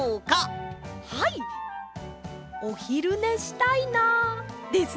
おひるねしたいなですね！